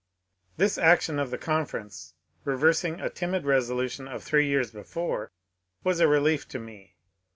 This action of the conference, reversing a timid resolution of three years before, was a relief to me.